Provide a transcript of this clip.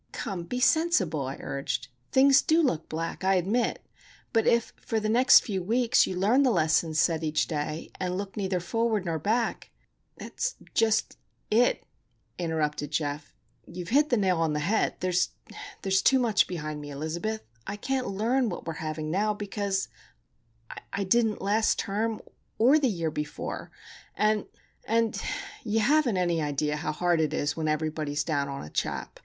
"Come, be sensible," I urged. "Things do look black, I admit, but if for the next few weeks you learn the lessons set each day, and look neither forward nor back——" "That's just it," interrupted Geof. "You've hit the nail on the head. There's too much behind me, Elizabeth. I can't learn what we are having now, because I didn't last term, or the year before. And,—and, you haven't any idea how hard it is when everybody is down on a chap.